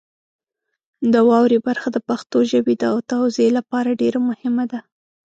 د واورئ برخه د پښتو ژبې د توزیع لپاره ډېره مهمه ده.